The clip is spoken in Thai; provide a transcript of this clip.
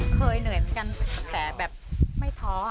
เหนื่อยเหมือนกันแต่แบบไม่ท้อ